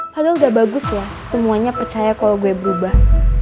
padahal udah bagus ya semuanya percaya kalau gue berubah